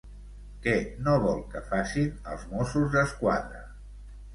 Què no vol que facin els Mossos d'Esquadra?